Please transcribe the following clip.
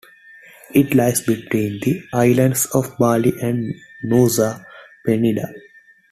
It lies between the islands of Bali and Nusa Penida.